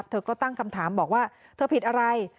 เธอก็ตั้งคำถามบอกว่าเธอผิดอะไร